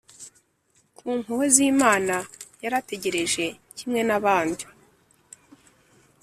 ku mpuhwe z’imana. yarategereje kimwe n’abandi